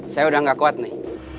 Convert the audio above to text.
saya udah gak kuat nih